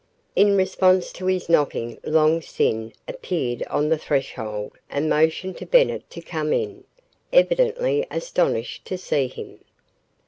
In response to his knocking Long Sin appeared on the threshold and motioned to Bennett to come in, evidently astonished to see him.